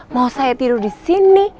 mau saya tidur disini